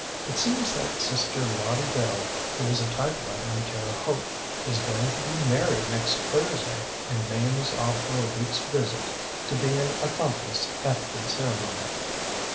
It seems that sister Lottie Bell, who is a typewriter in Terre Haute, is going to be married next Thursday, and Mame is off for a weekŌĆÖs visit to be an accomplice at the ceremony.